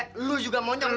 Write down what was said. eh lu juga moncong